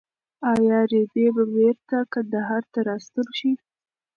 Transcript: ایا رېدی به بېرته کندهار ته راستون شي؟